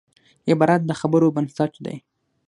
عبارت د خبرو بنسټ دئ.